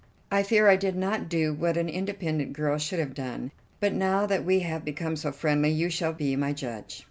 I fear I did not do what an independent girl should have done, but now that we have become so friendly you shall be my judge."